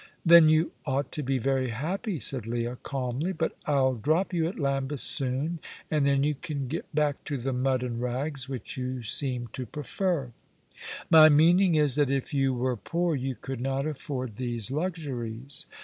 "Then you ought to be very happy," said Leah, calmly; "but I'll drop you at Lambeth soon, and then you can get back to the mud and rags, which you seem to prefer." "My meaning is, that if you were poor you could not afford these luxuries."